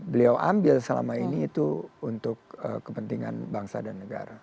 beliau ambil selama ini itu untuk kepentingan bangsa dan negara